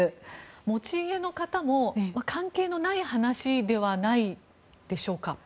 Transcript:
持ち家の方も関係のない話ではないでしょうか。